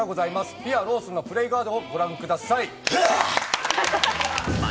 ぴあ、ローソンのプレイガイドをご覧ください。